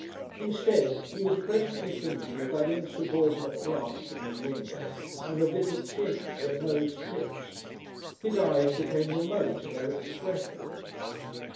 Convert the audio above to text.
Instead he was presently thinking of that insubordinate glance from his window and of little chins and nose tips. His eyes became remote in their expression....